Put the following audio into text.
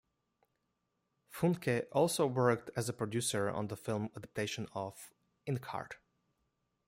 Funke also worked as a producer on the film adaptation of "Inkheart".